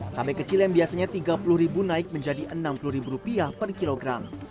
cabai kecil yang biasanya rp tiga puluh naik menjadi rp enam puluh per kilogram